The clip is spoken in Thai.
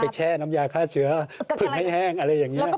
ไปแช่น้ำยาฆ่าเชื้อผึ้นให้แห้งอะไรอย่างนี้